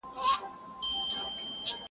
• ماسومان ترې وېرېږي تل..